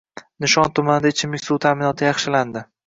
Nishon tumanida ichimlik suvi ta’minoti yaxshilandi